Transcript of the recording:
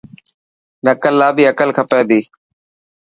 نڪل لا بي عقل کپي تي.